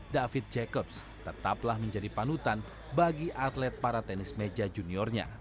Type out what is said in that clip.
david jacobs tetaplah menjadi panutan bagi atlet para tenis meja juniornya